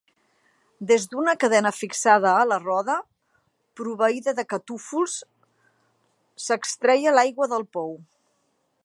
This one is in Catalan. Des d'una cadena fixada a la roda, proveïda de catúfols, s'extreia l'aigua del pou.